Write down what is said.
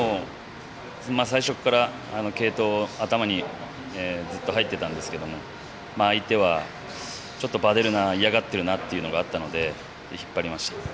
最初から継投を頭にずっと入ってたんですけども相手は、ヴァデルナ嫌がってるなというのがあったので引っ張りました。